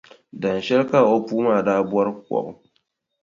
Dahinshɛli ka o puu maa daa bɔri kɔbu.